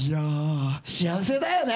幸せだよね！